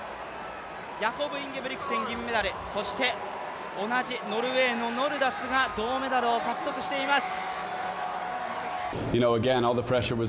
ヤコブ・インゲブリクセン銀メダルそして同じノルウェーのノルダスが銅メダルを獲得しています。